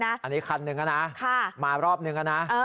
อันนี้คันหนึ่งอ่ะนะมารอบหนึ่งอ่ะนะ